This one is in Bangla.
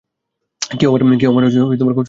কেউ আমার খোঁজ করেছিল, হানিফা?